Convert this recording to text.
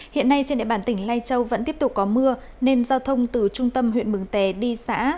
hiện nay trên địa bàn tỉnh lai châu vẫn tiếp tục có mưa nên giao thông từ trung tâm huyện mường tè đi xã